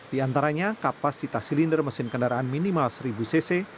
di antaranya kapasitas silinder mesin kendaraan minimal seribu cc